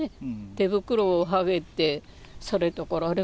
手袋をはめて、されたから、あれ？